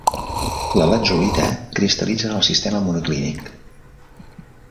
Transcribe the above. La latzulita cristal·litza en el sistema monoclínic.